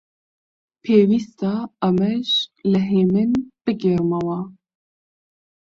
پێویستە ئەمەش لە هێمن بگێڕمەوە: